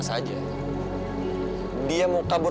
sama mita tante